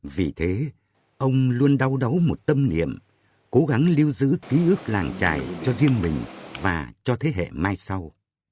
vì thế ông luôn đau đáu một tâm niệm cố gắng lưu giữ ký ức làng trải cho riêng mình và cho thế hệ mai sau